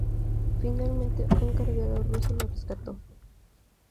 Finalmente un carguero ruso lo rescató.